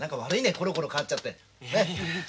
コロコロ変わっちゃって。